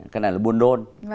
cái này ở buồn đôn